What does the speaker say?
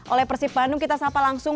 oleh persib bandung kita sapa langsung